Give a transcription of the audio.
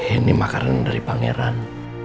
ini makanan dari pangeran